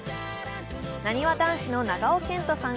なにわ男子の長尾謙杜さん